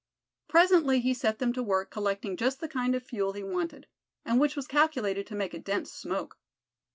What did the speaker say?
Presently he set them to work collecting just the kind of fuel he wanted, and which was calculated to make a dense smoke.